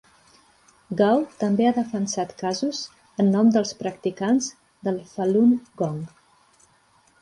Gao també ha defensat casos en nom dels practicants del Falun Gong.